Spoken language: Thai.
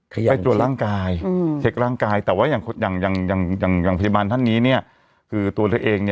ไปตรวจร่างกายเช็คร่างกายแต่ว่าอย่างพยาบาลท่านนี้คือตัวเธอเอง